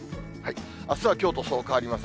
あすはきょうとそう変わりません。